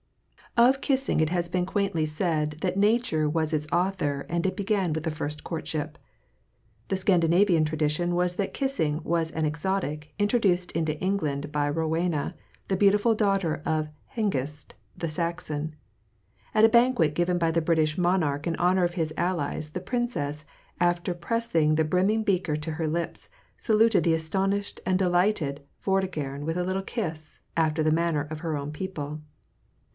Of kissing it has been quaintly said that nature was its author and it began with the first courtship. The Scandinavian tradition was that kissing was an exotic introduced into England by Rowena, the beautiful daughter of Hengist, the Saxon. At a banquet given by the British monarch in honor of his allies the princess, after pressing the brimming beaker to her lips, saluted the astonished and delighted Vortigern with a little kiss, after the manner of her own people.